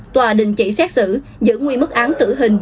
tòa đình chỉ xét xử giữ nguyên mức án tử hình